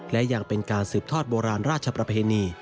และยังเป็นการสืบทอดโบราณราชประเพณี